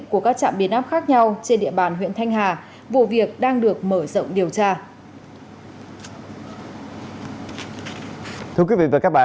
của các trạm biến áp khác nhau trên địa bàn huyện thanh hà vụ việc đang được mở rộng điều tra